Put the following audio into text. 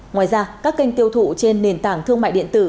ngoài ra các kênh tiêu thụ trên nền tảng thương mại điện tử